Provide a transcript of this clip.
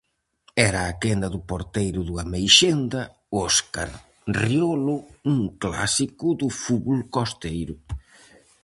Era a quenda do porteiro do Ameixenda, Óscar Riolo, un clásico do fútbol costeiro.